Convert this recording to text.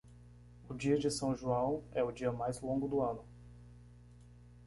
O Dia de São João é o dia mais longo do ano.